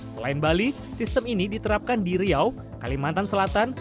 selain bali sistem ini diterapkan di riau kalimantan selatan